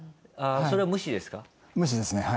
それは無視ですか？